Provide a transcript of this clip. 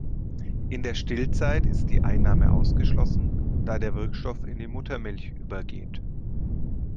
In der Stillzeit ist die Einnahme ausgeschlossen, da der Wirkstoff in die Muttermilch übergeht.